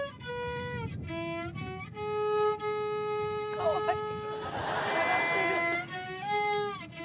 かわいい。